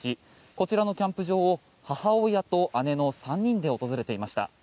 こちらのキャンプ場を母親と姉の３人で訪れていました。